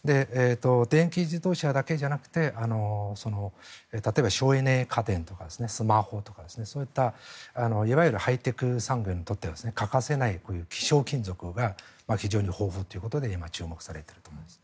電気自動車だけじゃなくて例えば、省エネ家電とかスマホとか、そういったいわゆるハイテク産業にとっては欠かせない希少金属が非常に豊富ということで今、注目されていると思います。